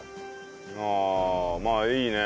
ああまあいいね。